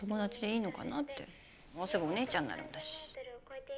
もうすぐお姉ちゃんになるんだし。